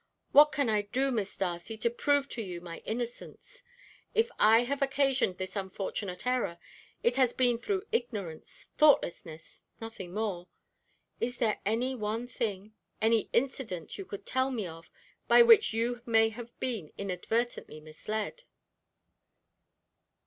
What can I do, Miss Darcy, to prove to you my innocence? If I have occasioned this unfortunate error, it has been through ignorance, thoughtlessness, nothing more. Is there any one thing, any incident, you could tell me of, by which you may have been inadvertently misled?"